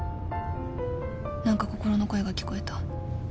何か心の声が聞こえた